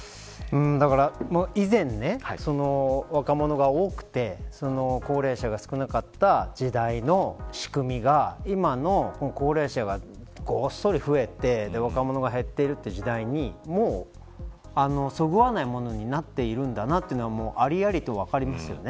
以前、若者が多くて高齢者が少なかった時代の仕組みが今の高齢者がごっそり増えて若者が減っているという時代にもう、そぐわないものになっているんだというのがありありと分かりますよね。